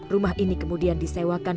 rumah ini kemudian disewakan